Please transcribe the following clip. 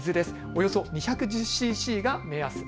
およそ２１０ｃｃが目安。